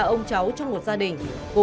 ba ông cháu trong một gia đình